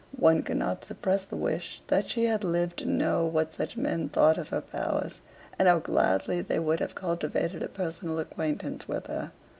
One cannot suppress the wish that she had lived to know what such men thought of her powers, and how gladly they would have cultivated a personal acquaintance with her.